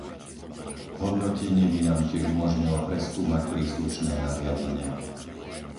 Hodnotenie by nám tiež umožnilo preskúmať príslušné nariadenia.